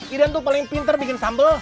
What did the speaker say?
idan tuh paling pinter bikin sambel